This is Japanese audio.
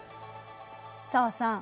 紗和さん